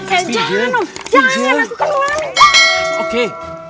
eh jangan aku kan lagi ngamen